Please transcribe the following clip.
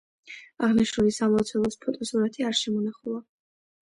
აღნიშნული სამლოცველოს ფოტოსურათი არ შემონახულა.